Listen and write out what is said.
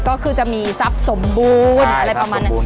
ก็คือจะมีทรัพย์สมบูรณ์อะไรประมาณนั้น